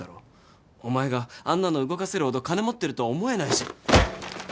お前があんなの動かせるほど金持ってるとは思えないし。